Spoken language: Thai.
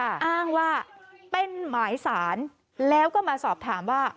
อ้างว่าเป็นหมายสารแล้วก็มาสอบถามว่า